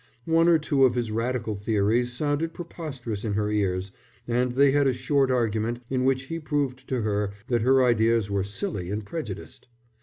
One or two of his Radical theories sounded preposterous in her ears, and they had a short argument in which he proved to her that her ideas were silly and prejudiced.